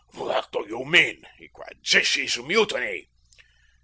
"What do you mean?" he cried. "This is mutiny."